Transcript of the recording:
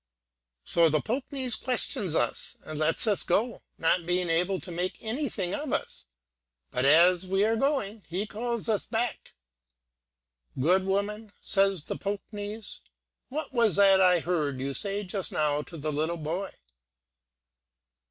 So the Poknees questions us, and lets us go, not being able to make anything of us; but as we are going, he calls us back. 'Good woman,' says the Poknees, 'what was that I heard you say just now to the little boy?'